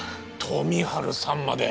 富治さんまで！